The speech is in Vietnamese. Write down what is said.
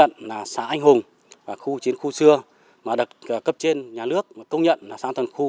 nhận là xã anh hùng và khu chiến khu xưa mà được cấp trên nhà nước công nhận là xã thần khu